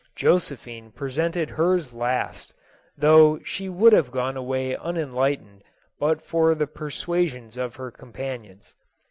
Josephine presented hers last, though t lie would have gone away unenlightened but for the persuasions of her companions.